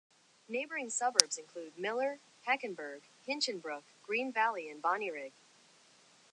Neighbouring suburbs include Miller, Heckenberg, Hinchinbrook, Green Valley and Bonnyrigg.